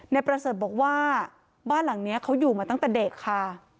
ประเสริฐบอกว่าบ้านหลังนี้เขาอยู่มาตั้งแต่เด็กค่ะ